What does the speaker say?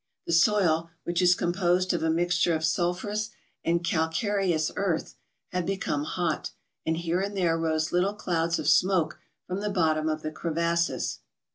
The soil, which is composed of a mixture of sul¬ phurous and calcareous earth, had become hot; and here and there rose little clouds of smoke from the bottom of the crevasses.